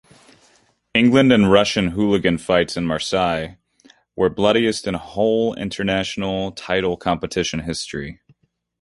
England and Russian hooligan fights in Marseille were bloodiest in whole international title competition history.